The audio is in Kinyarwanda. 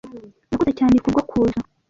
Urakoze cyane kubwo kuza.